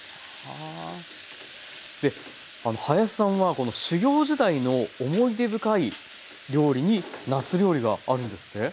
であの林さんは修業時代の思い出深い料理になす料理があるんですって？